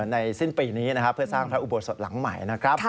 ในสิ้นปีนี้เพื่อสร้างพระอุโบสถหลังใหม่